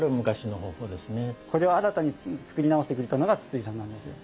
これを新たに作り直してくれたのが筒井さんなんですよ。